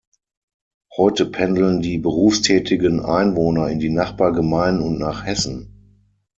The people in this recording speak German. Heute pendeln die berufstätigen Einwohner in die Nachbargemeinden und nach Hessen.